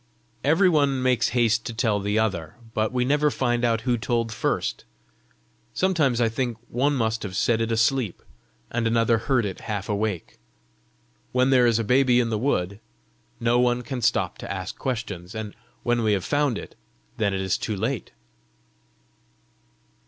"Every one makes haste to tell the other, but we never find out who told first. Sometimes I think one must have said it asleep, and another heard it half awake. When there is a baby in the wood, no one can stop to ask questions; and when we have found it, then it is too late."